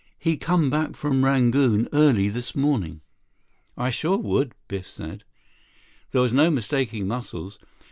He come back from Rangoon early this morning." "I sure would," Biff said. There was no mistaking Muscles.